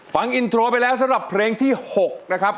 ฟังอินโทรไปแล้วสำหรับเพลงที่๖นะครับ